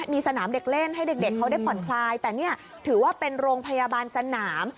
มีสนามเด็กเล่นให้เด็กเขาได้ผ่อนคลายแต่นี่ถือว่าเป็นโรงพยาบาลสนาม